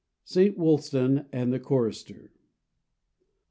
174 ST. WULSTAN AND THE CHORISTER.